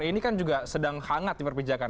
ini kan juga sedang hangat di perpijakan